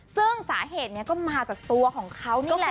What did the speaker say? ซึ่งสาเหตุนี้ก็มาจากตัวของเขานี่แหละ